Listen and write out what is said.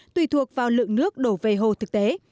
tùy thuộc vào lượng nước đổ về hồ thực tế